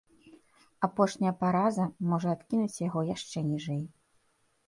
Апошняя параза можа адкінуць яго яшчэ ніжэй.